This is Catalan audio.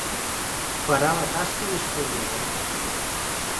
Farà la tasca d'historiador.